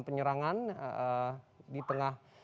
penyerangan ee di tengah